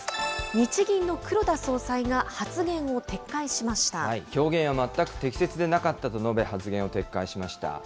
日銀の黒田総裁が発言を撤回しま表現は全く適切でなかったと述べ、発言を撤回しました。